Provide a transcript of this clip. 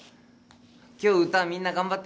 今日歌みんな頑張ってね。